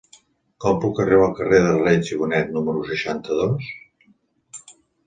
Com puc arribar al carrer de Reig i Bonet número seixanta-dos?